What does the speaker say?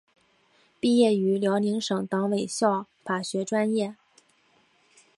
毕业于辽宁省委党校法学专业。